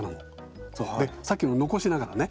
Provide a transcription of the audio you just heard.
でさっきの残しながらね。